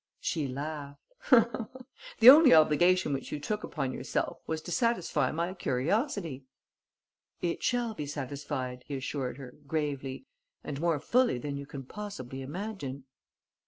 She laughed: "The only obligation which you took upon yourself was to satisfy my curiosity." "It shall be satisfied," he assured her, gravely, "and more fully than you can possibly imagine."